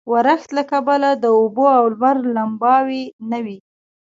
ورښت له کبله د اوبو او لمر لمباوې نه وې.